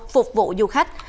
phục vụ du khách